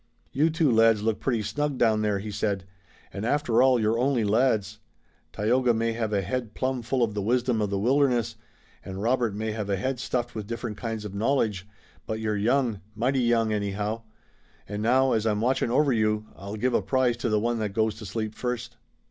"You two lads look pretty snug down there," he said, "and after all you're only lads. Tayoga may have a head plumb full of the wisdom of the wilderness, and Robert may have a head stuffed with different kinds of knowledge, but you're young, mighty young, anyhow. An' now, as I'm watching over you, I'll give a prize to the one that goes to sleep first."